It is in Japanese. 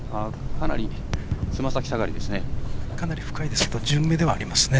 かなりつま先下がりですね。